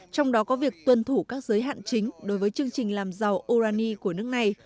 trong đó có việc tuân thủ các giới hạn chính đối với chương trình làm giàu urani của nước này